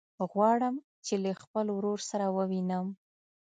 غواړم چې له خپل ورور سره ووينم.